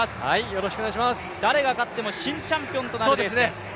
誰が勝っても新チャンピオンとなるレースです。